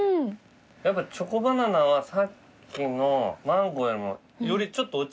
やっぱチョコバナナはさっきのマンゴーよりもよりちょっとお茶にもきますね。